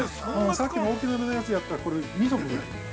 ◆さっきの大きめのやつやったらこれ２束ぐらい要ります。